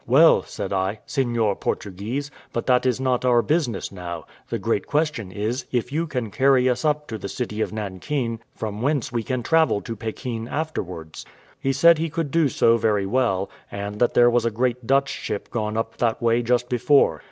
"Well," said I, "Seignior Portuguese, but that is not our business now; the great question is, if you can carry us up to the city of Nankin, from whence we can travel to Pekin afterwards?" He said he could do so very well, and that there was a great Dutch ship gone up that way just before.